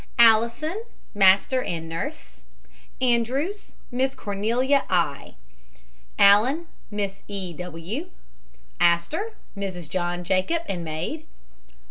ALLISON, MASTER, and nurse. ANDREWS, MISS CORNELIA I. ALLEN, MISS. E. W. ASTOR, MRS. JOHN JACOB, and maid.